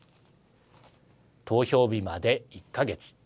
投票日まで１か月。